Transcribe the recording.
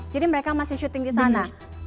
jadi mereka masih syuting di sana